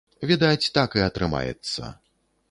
Відаць, так і атрымаецца.